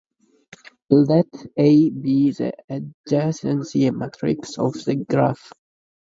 Let "A" be the adjacency matrix of a graph.